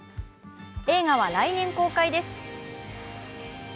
映画は来年公開です。